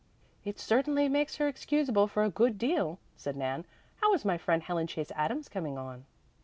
"It certainly makes her excusable for a good deal," said Nan. "How is my friend Helen Chase Adams coming on?"